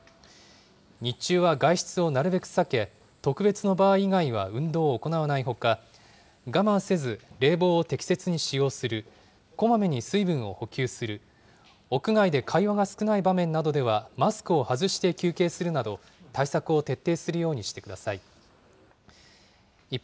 日中は外出をなるべく避け、特別の場合以外は運動を行わないほか、我慢せず、冷房を適切に使用する、こまめに水分を補給する、屋外で会話が少ない場面などではマスクを外して休憩するなど、対策を徹底するようにしてください。